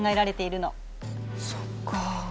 そっか。